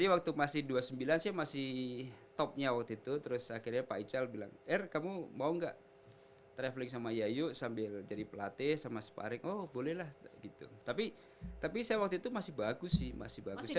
makasih topnya waktu itu hei kamu mau nggak traveling sama yayu sambil jadi pelatih sama si pak arik oh bolehlahah gitu tapi tapi saya waktu itu masih bagus sih apa the performance that you have is great